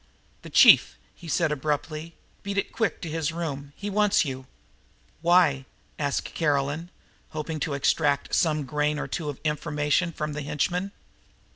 "The chief," he said abruptly. "Beat it quick to his room. He wants you." "Why?" asked Caroline, hoping to extract some grain or two of information from the henchman.